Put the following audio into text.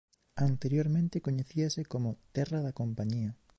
Anteriormente coñecíase como "Terra da Compañía".